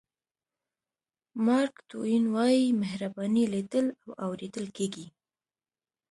مارک ټواین وایي مهرباني لیدل او اورېدل کېږي.